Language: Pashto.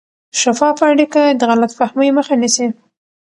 شفافه اړیکه د غلط فهمۍ مخه نیسي.